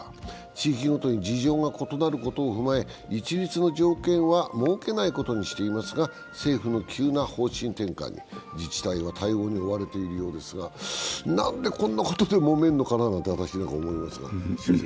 地域ごとに事情が異なることを踏まえ一律の条件は設けないことにしていますが政府の急な方針転換に自治体は対応に追われているようですがなんでこんなことでもめるのかなと私なんかは思いますが。